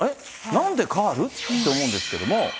なんでカール？って思うんですけども。